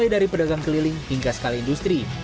mulai dari pedagang keliling hingga sekali industri